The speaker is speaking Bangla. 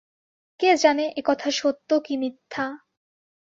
কে জানে একথা সত্য কি মিথ্যা।